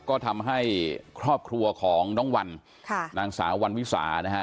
ก็ทำให้ครอบครัวของน้องวันค่ะนางสาววันวิสานะฮะ